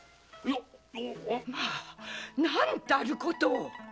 まあ何たることを！